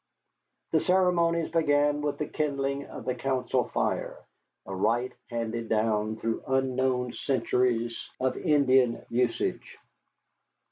The ceremonies began with the kindling of the council fire, a rite handed down through unknown centuries of Indian usage.